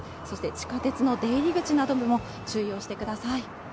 そして地下鉄の出入り口などにも注意をしてください。